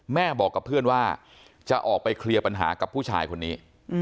แม่บอกกับเพื่อนว่าจะออกไปเคลียร์ปัญหากับผู้ชายคนนี้